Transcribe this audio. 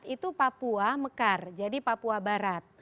dua ribu empat itu papua mekar jadi papua barat